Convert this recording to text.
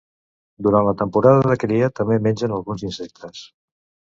Durant la temporada de cria també mengen alguns insectes.